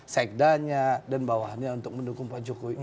sekdanya dan bawahannya untuk mendukung pak jokowi